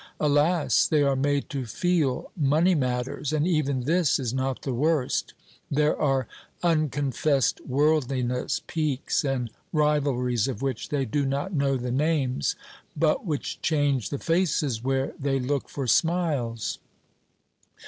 Alas! they are made to feel money matters, and even this is not the worst. There are unconfessed worldliness, piques, and rivalries, of which they do not know the names, but which change the faces where they look for smiles.